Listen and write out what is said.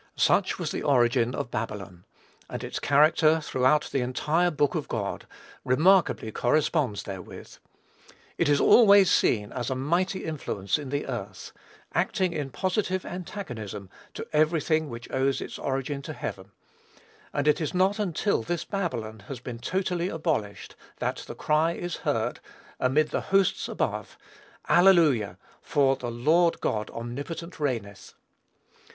Such was the origin of Babylon; and its character, throughout the entire book of God, remarkably corresponds therewith. It is always seen as a mighty influence in the earth, acting in positive antagonism to every thing which owes its origin to heaven; and it is not until this Babylon has been totally abolished, that the cry is heard, amid the hosts above, "Alleluia; for the Lord God omnipotent reigneth."